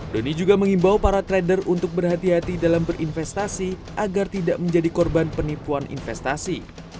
doni juga mengimbau para trader untuk berhati hati dalam berinvestasi agar tidak menjadi korban penipuan investasi